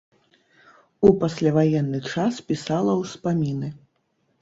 У пасляваенны час пісала ўспаміны.